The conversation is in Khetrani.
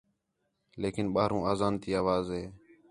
لیکن ٻاہروں آذان تی آواز ہے